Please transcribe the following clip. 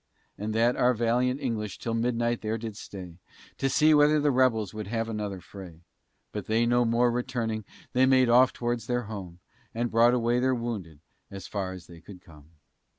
And that our valiant English till midnight there did stay, To see whether the rebels would have another fray; But they no more returning, they made off towards their home, And brought away their wounded as far as they could come.